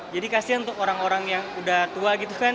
jadi kasihan untuk orang orang yang udah tua gitu kan